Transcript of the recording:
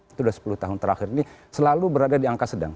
itu sudah sepuluh tahun terakhir ini selalu berada di angka sedang